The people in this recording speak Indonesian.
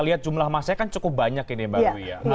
lihat jumlah masanya kan cukup banyak ini mbak wi